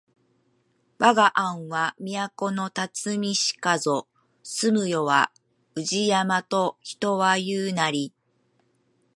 わが庵は都のたつみしかぞ住む世を宇治山と人は言ふなり